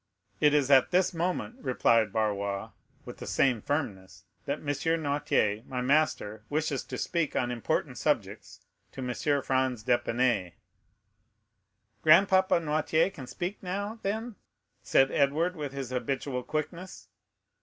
"It is at this moment," replied Barrois with the same firmness, "that M. Noirtier, my master, wishes to speak on important subjects to M. Franz d'Épinay." "Grandpapa Noirtier can speak now, then," said Edward, with his habitual quickness.